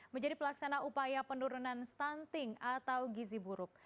menjadi pelaksana upaya penurunan stunting atau gizi buruk